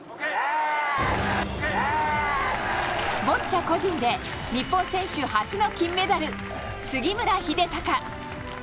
ボッチャ個人で日本選手初の金メダル、杉村英孝。